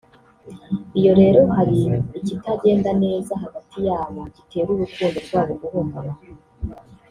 iyo rero hari ikitagenda neza hagati yabo gitera n’urukundo rwabo guhungabana